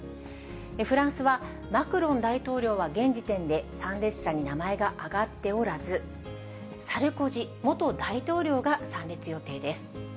フランスは、マクロン大統領は現時点で参列者に名前が挙がっておらず、サルコジ元大統領が参列予定です。